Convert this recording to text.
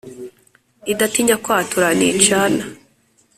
Idatinya kwatura nicana